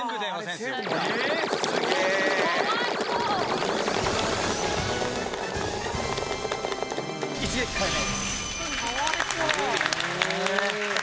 すごいな。